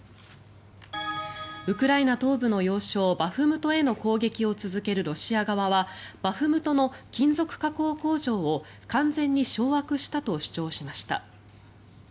ウクライナ東部の要衝バフムトへの攻撃を続けるロシア側はバフムトの金属加工工場を完全に掌握したと主張しました。